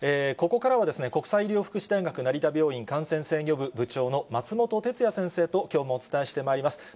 ここからはですね、国際医療福祉大学成田病院感染制御部、部長の松本哲哉先生ときょうもお伝えしてまいります。